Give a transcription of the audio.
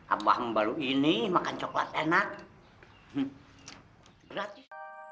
abah abah mbalu ini makan coklat enak gratis